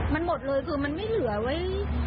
มันหมดเลยคือมันไม่เหลือไว้